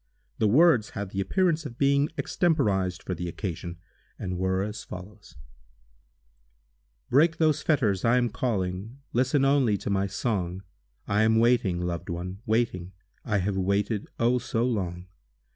The words had the appearance of being extemporized for the occasion, and were as follows: Break those fetters—I am calling— Listen only to my song! I am waiting—loved one—waiting! I have waited—oh, so long!